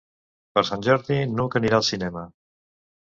Per Sant Jordi n'Hug anirà al cinema.